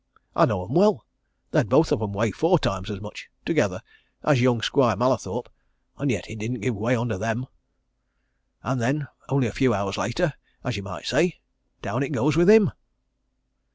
I know 'em well they'd both of 'em weigh four times as much together as young Squire Mallathorpe, and yet it didn't give way under them. And then only a few hours later, as you might say, down it goes with him!"